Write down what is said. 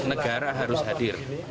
negara harus hadir